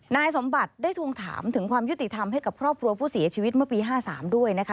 นายสมบัติได้ทวงถามถึงความยุติธรรมให้กับครอบครัวผู้เสียชีวิตเมื่อปี๕๓ด้วยนะคะ